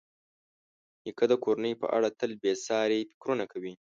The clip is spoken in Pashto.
نیکه د کورنۍ په اړه تل بېساري فکرونه کوي.